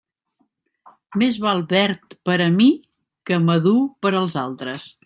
Més val verd per a mi que madur per als altres.